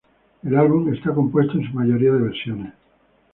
El álbum está compuesto en su mayoría de versiones.